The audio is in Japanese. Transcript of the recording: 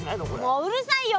もううるさいよ！